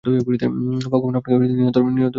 ভগবান আপনাকে নিরন্তর আশীর্বাদ করুন।